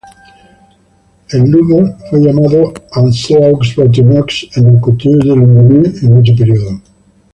El lugo fue llamado Anse-aux-Batteaux en la Côte de Longueuil en este periodo.